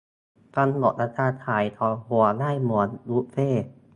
- กำหนดราคาขายต่อหัวได้ เหมือนบุฟเฟต์